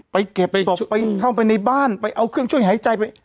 ไปเข้าไปในบ้านไปเอาเครื่องช่วยหายใจไป